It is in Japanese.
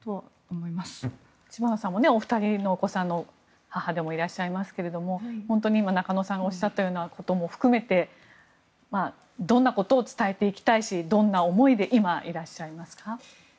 知花さんもお二人のお子さんの母でもいらっしゃいますけど本当に中野さんがおっしゃったようなことも含めてどんなことを伝えていきたいしどんな思いで今いらっしゃいますか。